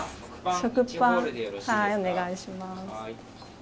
食パンお願いします。